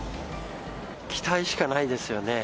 期待しかないですよね。